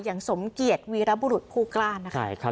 อย่างสมเกียจวีรบุรุษผู้กล้านะคะ